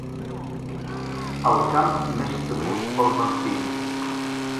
El camp més temut pel vampir.